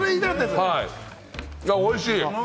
おいしい！